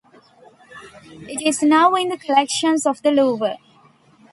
It is now in the collections of the Louvre.